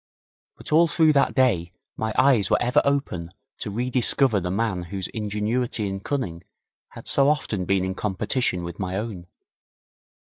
But all through that day my eyes were ever open to re discover the man whose ingenuity and cunning had so often been in competition with my own.